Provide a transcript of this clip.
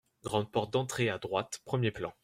Grande porte d’entrée à droite, premier plan.